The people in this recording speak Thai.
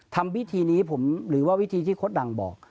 ทำวิธีนี้ผมหรือว่าวิธีที่โค้ดดังบอก